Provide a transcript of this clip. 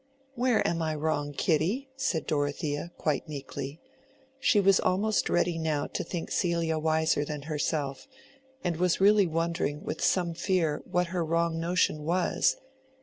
"Where am I wrong, Kitty?" said Dorothea, quite meekly. She was almost ready now to think Celia wiser than herself, and was really wondering with some fear what her wrong notion was.